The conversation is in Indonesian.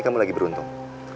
kamu lagi beruntung